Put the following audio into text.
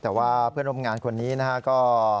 แต่ว่าเพื่อนร่วมงานคนนี้นะฮะก็